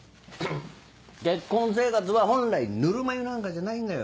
結婚生活は本来ぬるま湯なんかじゃないんだよ。